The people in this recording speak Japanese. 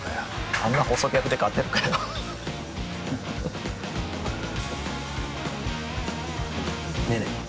あんな細客で勝てるかよねえねえ